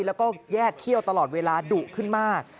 แล้วก็แยกเขี้ยวตลอดเวลาดุขึ้นมาก